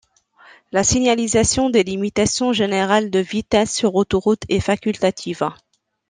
La signalisation des limitations générales de vitesse sur autoroute est facultative.